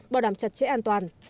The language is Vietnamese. bảo đảm chặt chẽ an toàn